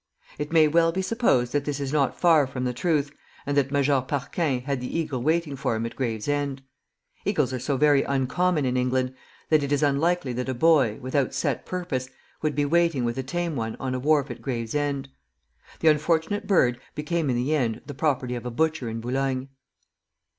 It may well be supposed that this is not far from the truth, and that Major Parquin had the eagle waiting for him at Gravesend. Eagles are so very uncommon in England that it is unlikely that a boy, without set purpose, would be waiting with a tame one on a wharf at Gravesend. The unfortunate bird became in the end the property of a butcher in Boulogne.